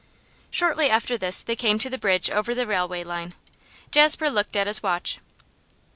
Shortly after this they came to the bridge over the railway line. Jasper looked at his watch.